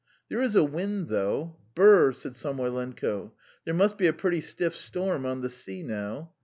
"There is a wind, though. ... Brrr!" said Samoylenko. "There must be a pretty stiff storm on the sea now!